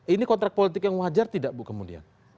ini kontrak politik yang wajar tidak bu kemudian